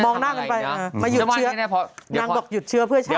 หน้ากันไปมาหยุดเชื้อนางบอกหยุดเชื้อเพื่อชาติ